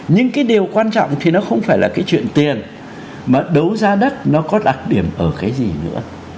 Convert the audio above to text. nhưng cái điều quan trọng thì nó không phải là cái chuyện tiền mà đấu giá đất nó có đặc điểm ở cái gì nữa